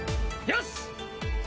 よし！